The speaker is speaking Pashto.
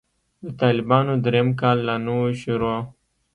د طالبانو درېيم کال لا نه و شروع.